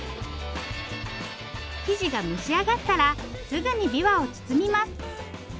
生地が蒸し上がったらすぐにびわを包みます。